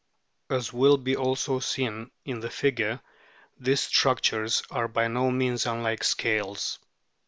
As will be also seen in the figure, these structures are by no means unlike scales.